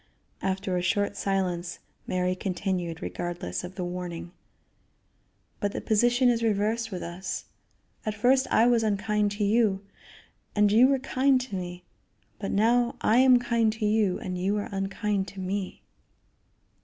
After a short silence Mary continued, regardless of the warning: "But the position is reversed with us; at first I was unkind to you, and you were kind to me, but now I am kind to you and you are unkind to me."